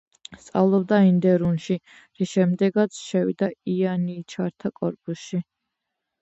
სწავლობდა ენდერუნში, რის შემდეგაც შევიდა იანიჩართა კორპუსში.